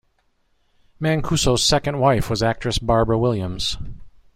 Mancuso's second wife was actress Barbara Williams.